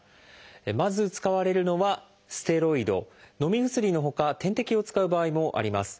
まず使われるのはステロイド。のみ薬のほか点滴を使う場合もあります。